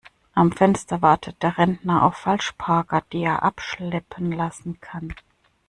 Am Fenster wartet der Rentner auf Falschparker, die er abschleppen lassen kann.